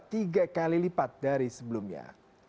tiga kali lipat dari sebelumnya